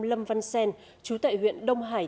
lâm văn sen chú tại huyện đông hải